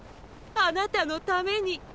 あなたのためにッ。